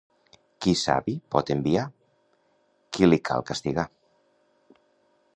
Qui savi pot enviar, no li cal castigar.